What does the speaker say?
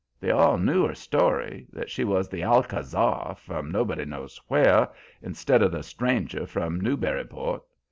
They all knew her story, that she was the Alcázar from nobody knows where, instead of the Stranger from Newburyport.